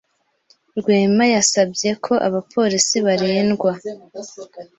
Rwema yasabye ko abapolisi barindwa